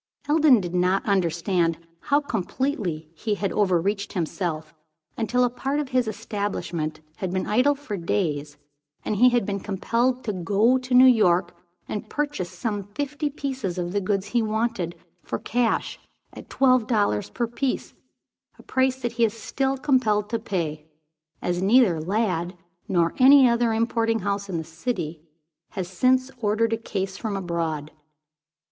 Eldon did not understand how completely he had overreached himself, until a part of his establishment had been idle for days, and he had been compelled to go to New York, and purchase some fifty pieces of the goods he wanted, for cash, at twelve dollars per piece, a price that he is still compelled to pay, as neither Lladd nor any other importing house in the city has since ordered a case from abroad.